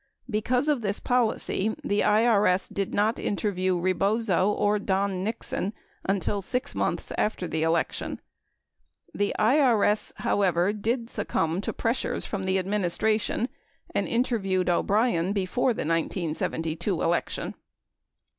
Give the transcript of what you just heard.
Because of this policy, the IRS did not interview Rebozo or Don Nixon until 6 months after the election. The IRS, however, did succumb to pressures from the administration and interviewed O'Brien before the 1972 election.